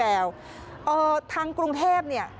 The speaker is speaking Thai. เพราะว่ากรุงเทพเพื่อไม่ได้ลุ้มด้วย